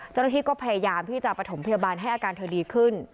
เจ้าหน้าที่ก็พยายามที่จะประถมพยาบาลให้อาการเธอดีขึ้น